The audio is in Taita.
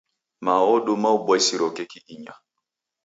Mao oduma uboisiro keki inya.